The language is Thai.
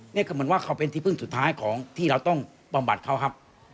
นี่คือเหมือนว่าเขาเป็นที่พึ่งสุดท้ายของที่เราต้องบำบัดเขาครับ